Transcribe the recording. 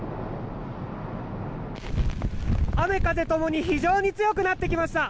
雨、風ともに非常に強くなってきました。